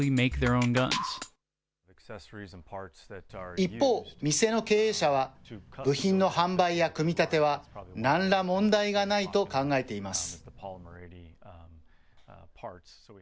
一方、店の経営者は、部品の販売や組み立ては、なんら問題がないと考えています。